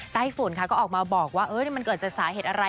ใต้ฝุ่นค่ะก็ออกมาบอกว่ามันเกิดจากสาเหตุอะไร